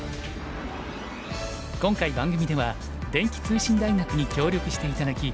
今回番組では電気通信大学に協力して頂き